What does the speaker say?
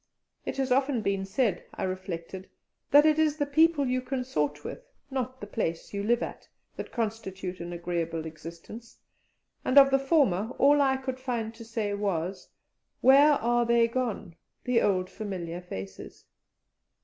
It has often been said, I reflected, that it is the people you consort with, not the place you live at, that constitute an agreeable existence; and of the former all I could find to say was, "Where are they gone, the old familiar faces?"